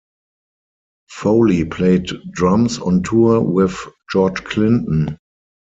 Foley played drums on tour with George Clinton.